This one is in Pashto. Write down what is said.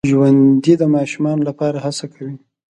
ژوندي د ماشومانو لپاره هڅه کوي